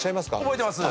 覚えてます。